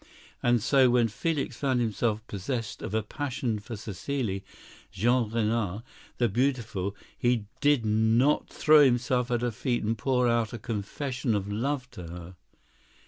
And so, when Felix found himself possessed of a passion for Cécile Jeanrenaud, the beautiful, he did not throw himself at her feet and pour out a confession of love to her.